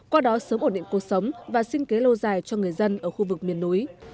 qua đó sớm ổn định cuộc sống và sinh kế lâu dài cho người dân ở khu vực miền núi